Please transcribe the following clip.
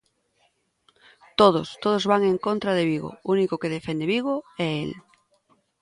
Todos, todos van en contra de Vigo, o único que defende Vigo é el.